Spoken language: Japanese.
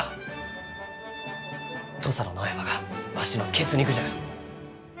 土佐の野山がわしの血肉じゃ。